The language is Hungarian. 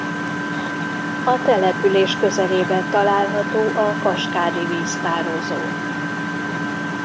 A település közelében található a Kaskády-víztározó.